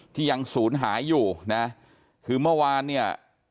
ที่ยังศูนย์หายอยู่นะคือเมื่อวานเนี่ย